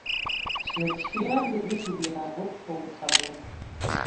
Kino kituyamba ebintu byabwe obutabula.